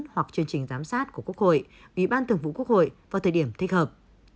hoặc chương trình giám sát của quốc hội ủy ban thường vụ quốc hội vào thời điểm thích hợp